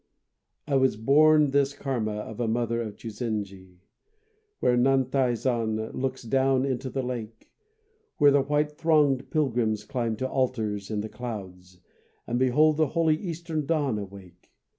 I was born this karma Of a mother in Chuzenji, Where Nantai zan looks down into the lake; Where the white thronged pilgrims Climb to altars in the clouds And behold the holy eastern dawn awake.